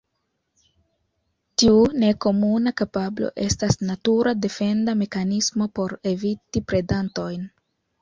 Tiu nekomuna kapablo estas natura defenda mekanismo por eviti predantojn.